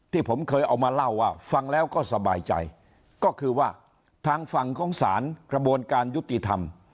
ที่ผมเคยเอามาเล่าว่าฟังแล้วก็สบายใจก็คือว่าทางฝั่งของสารกระบวนการยุติธรรม